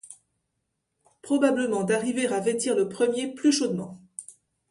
Probablement d’arriver à vêtir le premier plus chaudement.